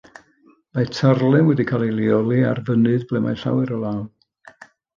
Mae tarddle wedi cael ei leoli ar fynydd ble mae llawer o law